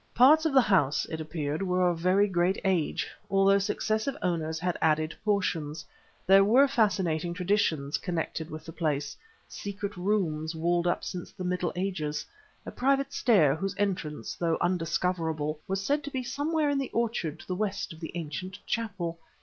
Parts of the house, it appeared, were of very great age, although successive owners had added portions. There were fascinating traditions connected with the place; secret rooms walled up since the Middle Ages, a private stair whose entrance, though undiscoverable, was said to be somewhere in the orchard to the west of the ancient chapel.